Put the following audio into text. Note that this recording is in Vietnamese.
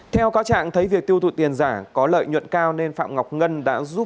theo cáo trạng thấy việc tiêu thụ tiền giả có lợi nhuận cao nên phạm ngọc ngân đã giúp